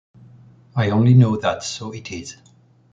I only know that so it is.